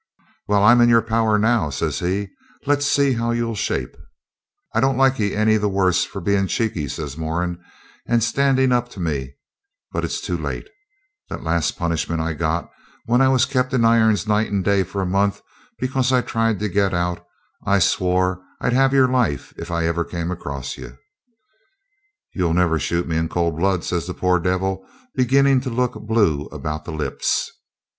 'Well, I'm in your power now,' says he. 'Let's see how you'll shape.' 'I don't like ye any the worse for being cheeky,' says Moran, 'and standing up to me, but it's too late. The last punishment I got, when I was kept in irons night and day for a month because I'd tried to get out, I swore I'd have your life if ever I came across ye.' 'You'll never shoot me in cold blood,' says the poor devil, beginning to look blue about the lips.